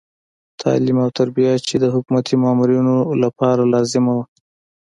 تعلیم او تربیه چې د حکومتي مامورینو لپاره لازمه وه.